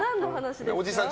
おじさん